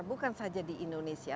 bukan saja di indonesia